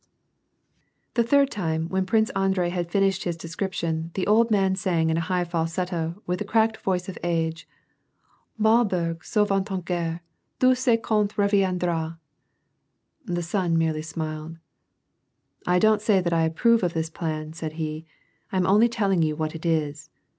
" The third time, when Prince Andrei had finished his descrip tion, the old man sang in a high falsetto, with the cracked voice of age, —Malbrouf/ 8*en va t en guerre. Dieii Bait quand reviendra," * The son merely smiled. " I don't say that I approve of this plan," said he, " I am only telling you what it is.